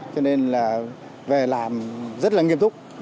cho nên là về làm rất là nghiêm túc